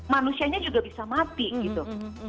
manusianya juga bisa mati gitu